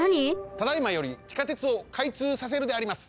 ただいまより地下鉄をかいつうさせるであります！